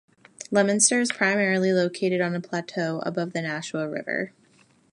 Leominster is primarily located on a plateau above the Nashua River.